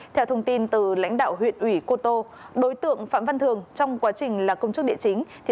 theo thông tin từ lãnh đạo huyện ủy cô tô đối tượng phạm văn thường trong quá trình là công chức địa chính